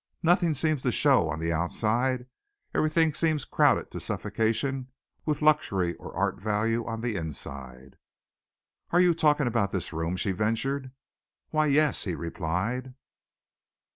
Nothing seems to show on the outside; everything seems crowded to suffocation with luxury or art value on the inside." "Are you talking about this room?" she ventured. "Why, yes," he replied.